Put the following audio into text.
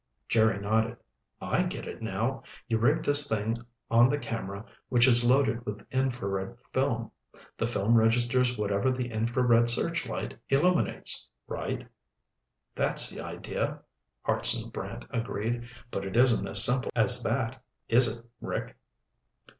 Jerry nodded. "I get it now. You rig this thing on the camera, which is loaded with infrared film. The film registers whatever the infrared searchlight illuminates. Right?" "That's the idea," Hartson Brant agreed. "But it isn't as simple as that, is it, Rick?"